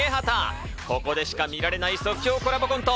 ここでしか見られない即興コラボコント。